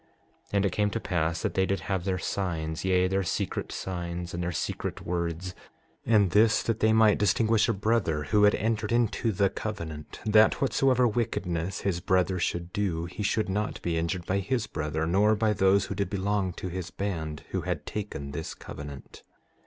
6:22 And it came to pass that they did have their signs, yea, their secret signs, and their secret words; and this that they might distinguish a brother who had entered into the covenant, that whatsoever wickedness his brother should do he should not be injured by his brother, nor by those who did belong to his band, who had taken this covenant.